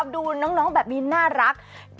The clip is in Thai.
ดูน้องแบบนี้น่ารัก